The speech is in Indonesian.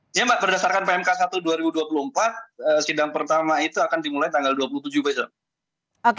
mbak berdasarkan pmk satu dua ribu dua puluh empat sidang pertama itu akan dimulai tanggal dua puluh tujuh besok